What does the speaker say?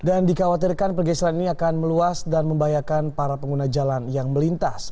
dan dikhawatirkan pergeseran ini akan meluas dan membahayakan para pengguna jalan yang melintas